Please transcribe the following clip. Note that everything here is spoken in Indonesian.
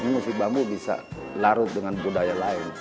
musik bambu bisa larut dengan budaya lain